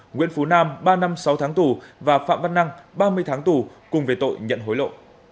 nguyễn phú nam ba năm sáu tháng tù và phạm văn năng ba mươi tháng tù cùng về tội nhận hối lộ